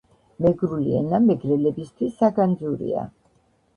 მეგრული ენა მეგრელებისთვის საგანძურია